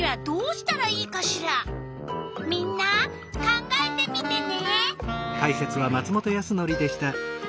みんな考えてみてね！